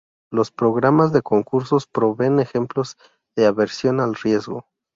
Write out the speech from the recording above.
Los programas de concursos proveen ejemplos de "aversión al riesgo".